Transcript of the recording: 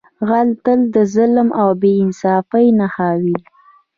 غل تل د ظلم او بې انصافۍ نښه وي